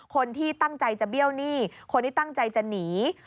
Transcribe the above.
คนที่ตั้งใจจะเบี้ยวหนี้คนที่ตั้งใจจะหนี